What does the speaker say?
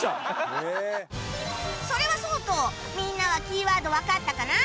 それはそうとみんなはキーワードわかったかな？